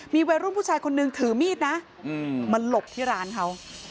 มีวัยรุ่นผู้ชายคนนึงถือมีดนะมาหลบที่ร้านเขา